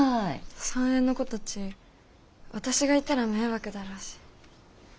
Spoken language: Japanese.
３Ａの子たち私がいたら迷惑だろうし。